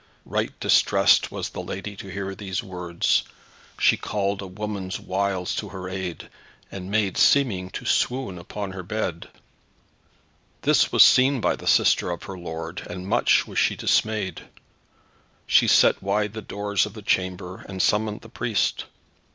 Right distressed was the lady to hear these words. She called a woman's wiles to her aid, and made seeming to swoon upon her bed. This was seen by the sister of her lord, and much was she dismayed. She set wide the doors of the chamber, and summoned the priest.